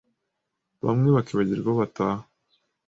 bamwe bakibagirwa aho bataha